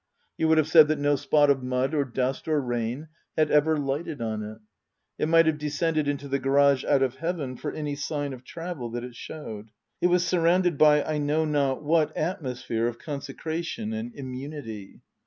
You would have said that no spot of mud or dust or rain had ever lighted on it ; it might have descended into the garage out of heaven for any sign of travel that it showed. It was surrounded by I know not what atmosphere of consecration and im munity.